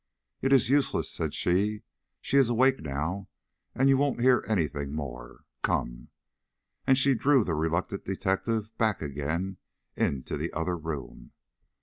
"It is useless," said she; "she is awake now, and you won't hear any thing more; come!" And she drew the reluctant detective back again into the other room.